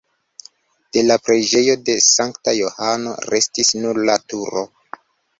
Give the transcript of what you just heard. De la preĝejo de Sankta Johano restis nur la turo.